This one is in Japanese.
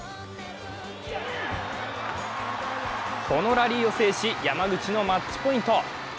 このラリーを制し、山口のマッチポイント。